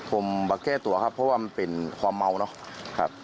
ผมมาแก้ตัวครับเพราะว่ามันเป็นความเมาเนาะ